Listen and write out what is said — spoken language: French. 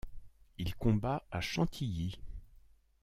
Il combat à Chantilly.